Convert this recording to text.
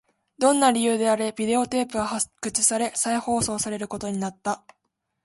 どんな理由であれ、ビデオテープは発掘され、再放送されることになった